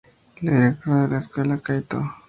La directora de la escuela de Kaito.